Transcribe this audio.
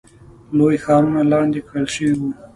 لوی ښارونه لاندې کړل شوي وو.